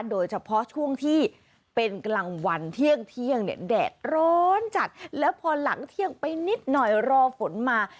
โดยเฉพาะช่วงที่เป็นกลางวันเที่ยงเนี่ยแดดร้อนจัดแล้วพอหลังเที่ยงไปนิดหน่อยรอฝนมา